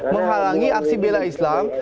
menghalangi aksi bela islam